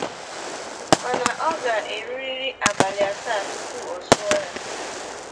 Mana ọ ga-erurịrị abalị asaa tupu ọ sụọ ya